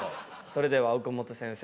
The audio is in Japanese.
それでは岡本先生